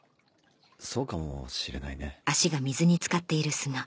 そうかもしれないね。